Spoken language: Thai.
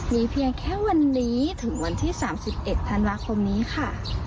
มีเพียงแค่วันนี้ถึงวันที่๓๑ธันวาคมนี้ค่ะ